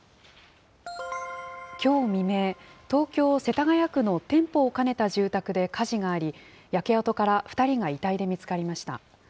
きょう未明、東京・世田谷区の店舗を兼ねた住宅で火事があり、焼け跡から２人が遺体で見つかりました。